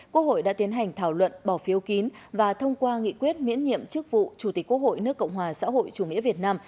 quốc hội đã tiến hành thảo luận bỏ phiếu kín và thông qua nghị quyết miễn nhiệm chức vụ chủ tịch quốc hội nước cộng hòa xã hội chủ nghĩa việt nam